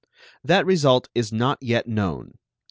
That result is not yet known.